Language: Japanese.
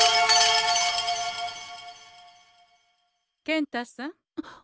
健太さん。